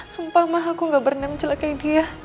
sumpah ma aku gak berniat mencelakai dia